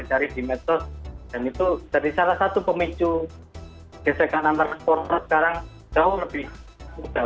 dari metode dan itu jadi salah satu pemicu gesek kanan antar supporter sekarang jauh lebih mudah